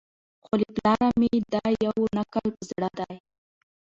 خو له پلاره مي دا یو نکل په زړه دی